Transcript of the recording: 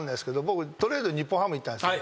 僕トレードで日本ハム行ったんですよ。